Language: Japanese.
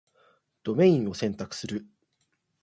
ドメインを選択する